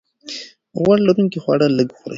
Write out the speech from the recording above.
غوړ لرونکي خواړه لږ وخورئ.